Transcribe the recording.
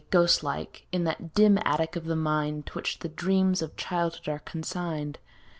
Ghost like, in that dim attic of the mind To which the dreams of childhood are consigned.